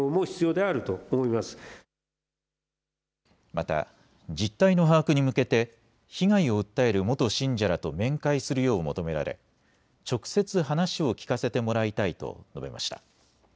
また実態の把握に向けて被害を訴える元信者らと面会するよう求められ直接話を聞かせてもらいたいと述べました。